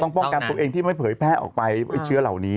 ป้องกันตัวเองที่ไม่เผยแพร่ออกไปไอ้เชื้อเหล่านี้